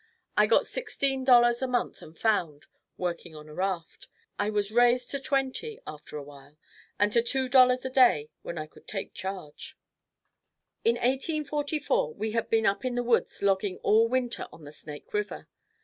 I got sixteen dollars a month and found, working on a raft. I was raised to twenty after a while and to two dollars a day when I could take charge. In 1844 we had been up in the woods logging all winter on the Snake River.